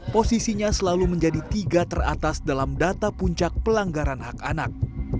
posisinya selalu menjadi tiga teratas dalam data puncak pelanggaran hak anak